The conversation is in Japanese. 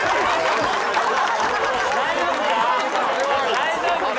大丈夫か？